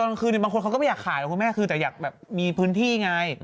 บางคนเขาก็ไม่อยากขายหรอกคุณแม่คือแต่อยากแบบมีพื้นที่ไง